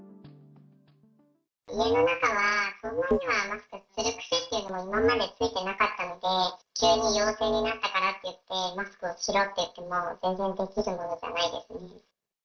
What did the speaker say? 家の中は、そんなにはマスクする癖って今までついてなかったので、急に陽性になったからっていって、マスクをしろって言っても全然できるものじゃないです。